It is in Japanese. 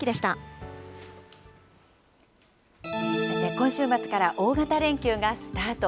今週末から大型連休がスタート。